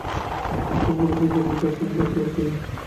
আমাকে স্যার বলছেন কেন তা বুঝতে পারছি না।